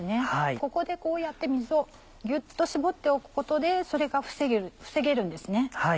ここでこうやって水をギュっと絞っておくことでそれが防げるんです。